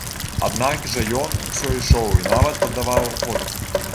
Аднак жа ён усё ішоў і нават паддаваў ходу.